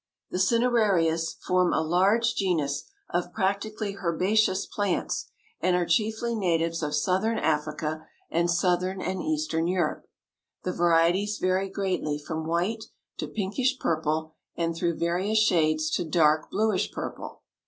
The cinerarias form a large genus of practically herbaceous plants, and are chiefly natives of southern Africa and southern and eastern Europe. The varieties vary greatly from white to pinkish purple and through various shades to dark, bluish purple.